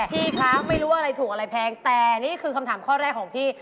พี่คะไม่รู้อะไรถูกอะไรแพงแต่นี่คือคำถามข้อแรกของพี่